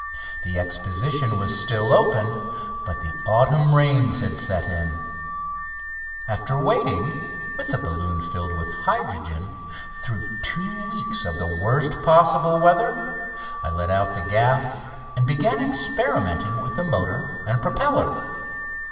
The Exposition was still open, but the autumn rains had set in. After waiting, with the balloon filled with hydrogen, through two weeks of the worst possible weather I let out the gas and began experimenting with the motor and propeller.